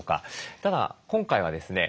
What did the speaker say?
ただ今回はですね